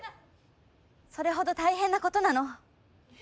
それほど大変なことなの。